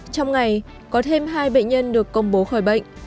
trong ngày có thêm hai bệnh nhân được công bố khỏi bệnh